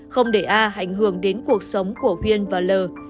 không để a hành hưởng đến cuộc sống của huyên và lờ